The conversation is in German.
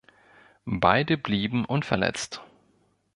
Beide blieben unverletzt.